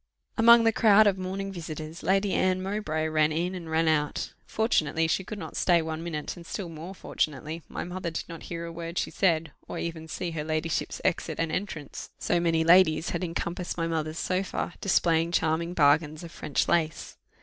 Among the crowd of morning visitors, Lady Anne Mowbray ran in and ran out; fortunately she could not stay one minute, and still more fortunately my mother did not hear a word she said, or even see her ladyship's exit and entrance, so many ladies had encompassed my mother's sofa, displaying charming bargains of French lace.